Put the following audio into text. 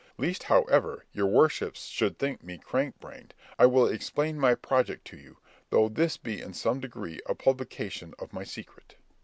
Lest, however, your worships should think me crack brained, I will explain my project to you, though this be in some degree a publication of my secret.